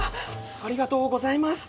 ありがとうございます。